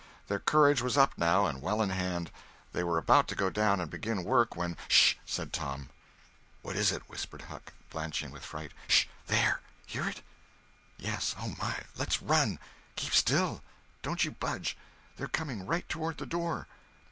Their courage was up now and well in hand. They were about to go down and begin work when— "Sh!" said Tom. "What is it?" whispered Huck, blanching with fright. "Sh!... There!... Hear it?" "Yes!... Oh, my! Let's run!" "Keep still! Don't you budge! They're coming right toward the door."